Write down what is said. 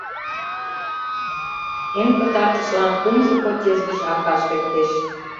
Эн пытартышлан кумшо подъезд гыч Аркаш лектеш.